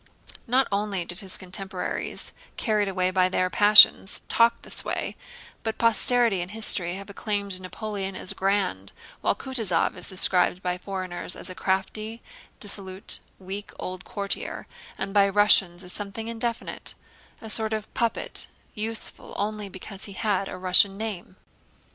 Not only did his contemporaries, carried away by their passions, talk in this way, but posterity and history have acclaimed Napoleon as grand, while Kutúzov is described by foreigners as a crafty, dissolute, weak old courtier, and by Russians as something indefinite—a sort of puppet useful only because he had a Russian name.